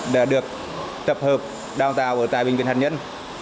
đã được tập hợp đào tạo ở tại bệnh viện hàn nhân